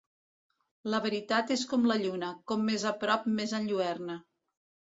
La veritat és com la lluna, com més a prop, més enlluerna.